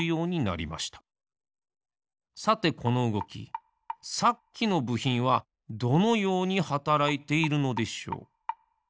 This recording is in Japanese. さてこのうごきさっきのぶひんはどのようにはたらいているのでしょう？